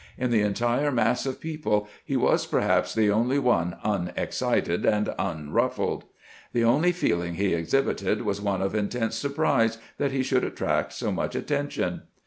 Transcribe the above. In the entire mass of people he was perhaps the only one unexcited and unruffled. The only feeling he exhibited was one of intense surprise that he should attract so much attention.